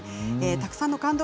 たくさんの感動